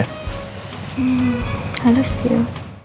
hmm halus dia